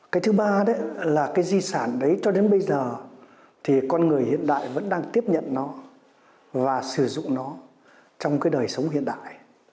cái thứ ba đấy là cái di sản đấy cho đến bây giờ thì con người hiện đại vẫn đang tiếp nhận nó và sử dụng nó trong cái đời sống hiện đại